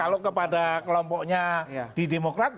kalau kepada kelompoknya di demokrat